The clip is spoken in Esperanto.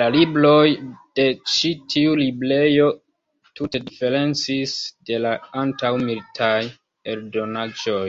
La libroj de ĉi tiu librejo tute diferencis de la antaŭmilitaj eldonaĵoj.